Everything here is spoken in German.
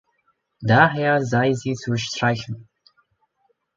Daher sei sie zu streichen.